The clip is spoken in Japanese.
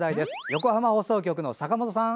横浜放送局の坂本さん